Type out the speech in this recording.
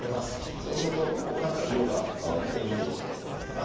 そうするとこう何か色が変わってみてきてと思います。